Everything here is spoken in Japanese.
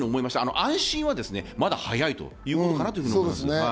安心はまだ早いということかなと思います。